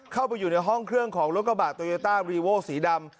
เข้าไปอยู่ในห้องเครื่องของรถกระบะโตโยต้ารีโว้สีดำ